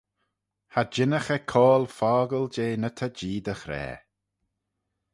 Cha jeanagh eh coayl fockle jeh ny ta Jee dy ghra.